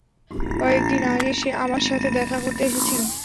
কয়েক দিন আগে, সে আমার সাথে দেখা করতে এসেছিল।